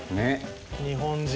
日本人。